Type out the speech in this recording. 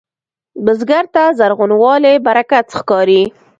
بزګر ته زرغونوالی برکت ښکاري